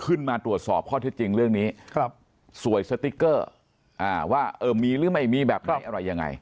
ขึ้นมาตรวจสอบข้อเท็จจริงเรื่องนี้ครับสวยสติ๊กเกอร์อ่าว่าเออมีหรือไม่มีแบบไหนอะไรยังไง